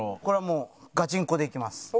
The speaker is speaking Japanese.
これはもうガチンコでいきます。